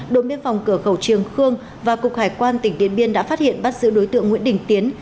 đội biên phòng cửa khẩu triềng khương và cục hải quan tỉnh điện biên đã phát hiện bắt giữ đối tượng nguyễn đình tiến